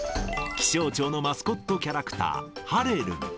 気象庁のマスコットキャラクター、はれるん。